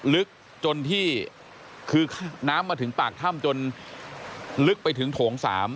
ลึกจนที่คือน้ำมาถึงปากถ้ำจนลึกไปถึงโถง๓